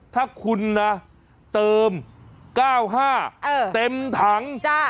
ถ้าคุณนะเติม๙๕เต็มถัง